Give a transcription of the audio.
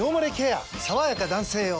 さわやか男性用」